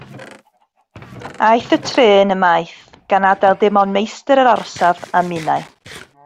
Aeth y trên ymaith, gan adael dim ond meistr yr orsaf a minnau.